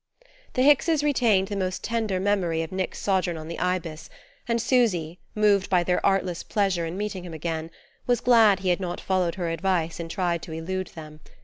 The Hickses retained the most tender memory of Nick's sojourn on the Ibis, and Susy, moved by their artless pleasure in meeting him again, was glad he had not followed her advice and tried to elude them.